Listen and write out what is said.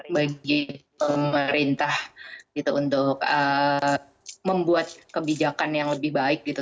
bagi pemerintah untuk membuat kebijakan yang lebih baik